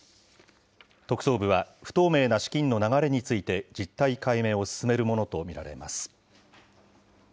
特捜部は不透明な資金の流れについて実態解明を進めるものと見られます。